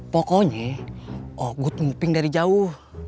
pokoknya oh good nguping dari jauh